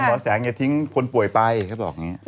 หมอแสงอย่าทิ้งคนป่วยไปเขาบอกอย่างนี้